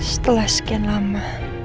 setelah sekian lama